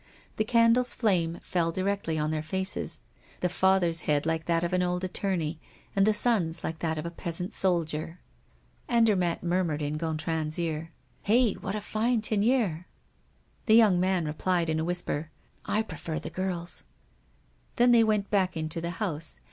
The candle's flame fell directly on their faces, the father's head like that of an old attorney, and the son's like that of a peasant soldier. Andermatt murmured in Gontran's ear: "Hey, what a fine Teniers!" The young man replied in a whisper: "I prefer the girls." Then they went back into the house.